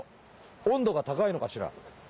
温度が高いのかしら？